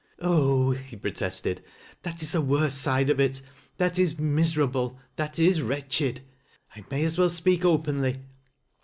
" Oh !" he protested, " that is the worst side of it — thai is miserable — that is wretched ! I may as well speak openly.